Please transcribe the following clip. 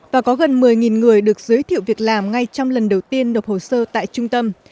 và có gần một mươi người được giới thiệu việc làm ngay trong lần đầu tiên nộp hồ sơ tại trung tâm